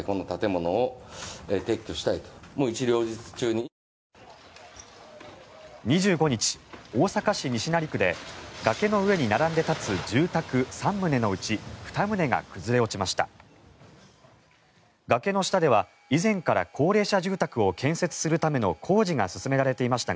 ２５日、大阪市西成区で崖の上に並んで立つ住宅３棟のうち２棟が崩れ落ちました。